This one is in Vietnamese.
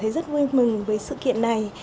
tôi cảm thấy rất vui mừng với sự kiện này